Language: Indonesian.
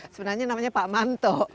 sebenarnya namanya pak manto